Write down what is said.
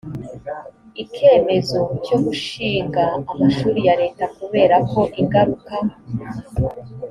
ikemezo cyo gushinga amashuri ya leta kubera ko ingaruka